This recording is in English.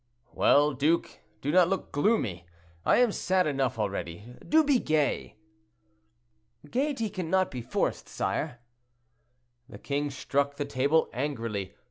"Well, duke, do not look gloomy; I am sad enough already. Do be gay." "Gayety cannot be forced, sire." The king struck the table angrily.